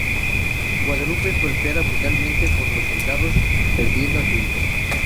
Guadalupe es golpeada brutalmente por los soldados, perdiendo a su hijo.